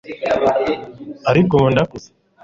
ariko ubu ndakuze